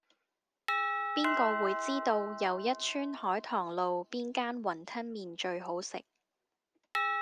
邊個會知道又一村海棠路邊間雲吞麵最好食